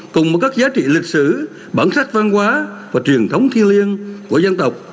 cùng với các giá trị lịch sử bản sách văn hóa và truyền thống thiên liêng của dân tộc